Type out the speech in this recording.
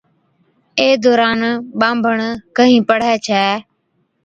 اي دوران ٻانڀڻ ڪھين پڙھي ڇَي